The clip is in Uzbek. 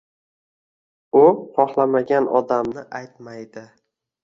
U xohlamagan odamnii aytmaydi.